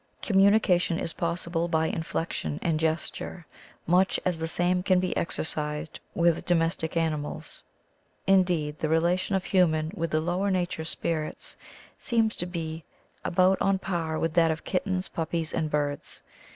Com munication is possible by inflexion and ges ture, much as the same can be exercised with domestic animals. Indeed, the relation of 180 THE THEOSOPHIC VIEW OF FAIRIES human with the lower nature spirits seems to be about on a par with that of kittens, pup pies, and birds.